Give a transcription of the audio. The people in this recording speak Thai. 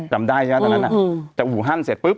จำได้ใช่ไหมอืมอืมแต่หูฮั่นเสร็จปุ๊บ